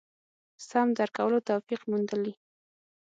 سم درک کولو توفیق موندلي.